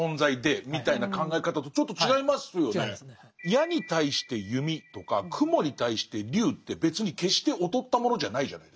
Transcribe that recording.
矢に対して弓とか雲に対して龍って別に決して劣ったものじゃないじゃないですか。